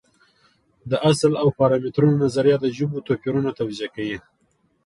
د اصل او پارامترونو نظریه د ژبو توپیرونه توضیح کوي.